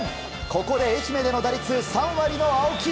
ここで愛媛での打率が３割の青木。